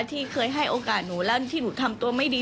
ที่เคยให้โอกาสหนูแล้วที่หนูทำตัวไม่ดี